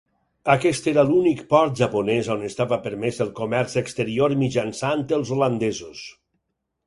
Aquest era l'únic port japonès on estava permès el comerç exterior mitjançant els holandesos.